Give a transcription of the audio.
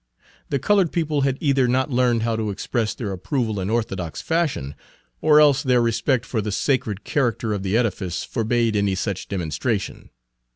The colored people had either not learned how to express their approval in orthodox fashion, or else their respect for the sacred character of the edifice forbade any such demonstration.